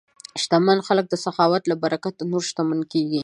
شتمن خلک د سخاوت له برکته نور شتمن کېږي.